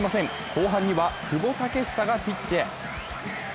後半には久保建英がピッチへ。